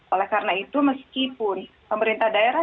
oleh karena itu meskipun pemerintah daerah